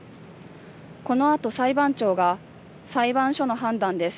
このあと裁判長が裁判所の判断です。